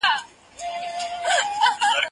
زه به اوږده موده ونې ته اوبه ورکړې وم!.